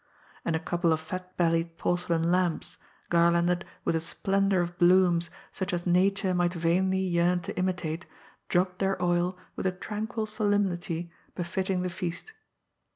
And a couple of fat bellied porcelain lamps, garlanded with a splendour of blooms such as Nature might vainly yearn to imitate, dropped their oil with a tranquil solemnity befitting the feast.